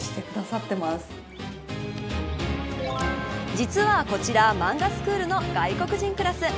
実はこちら漫画スクールの外国人クラス。